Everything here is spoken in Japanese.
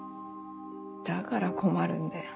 だから困るんだよ。